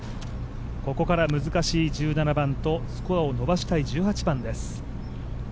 ここから難しい１７番とスコアを伸ばしたい１８番です。